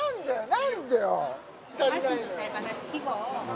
何でよ？